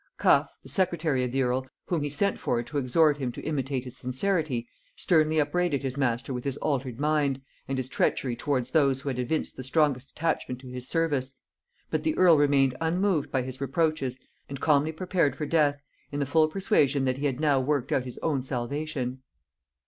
Cuff, the secretary of the earl, whom he sent for to exhort him to imitate his sincerity, sternly upbraided his master with his altered mind, and his treachery towards those who had evinced the strongest attachment to his service: but the earl remained unmoved by his reproaches, and calmly prepared for death in the full persuasion that he had now worked out his own salvation.